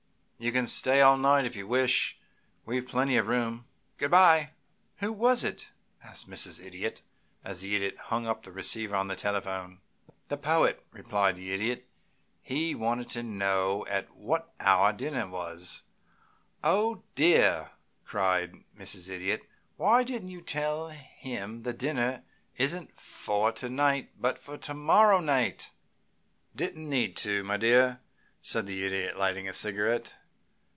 You can stay all night if you wish; we've plenty of room. Good bye." [Illustration: "'WHO WAS IT?' ASKED MRS. IDIOT"] "Who was it?" asked Mrs. Idiot, as the Idiot hung up the receiver of the telephone. "The Poet," replied the Idiot. "He wanted to know at what hour dinner was." "Oh, dear!" cried Mrs. Idiot. "Why didn't you tell him the dinner isn't for to night, but to morrow night?" "Didn't need to, my dear," said the Idiot, lighting a cigarette.